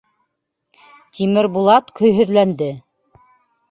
Тимербулат көйһөҙләнде: